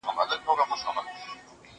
کېدای سي زه سبا درس ولولم!؟